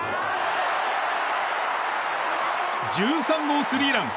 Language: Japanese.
１３号スリーラン。